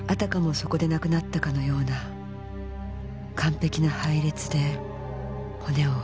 そこで亡くなったかのような完璧な配列で骨を置いた。